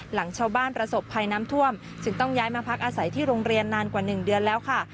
หลังชาวบ้านประสบภัยน้ำท่วมจึงต้องย้ายมาพักอาศัยที่โรงเรียนนานกว่า๑เดือนแล้วค่ะ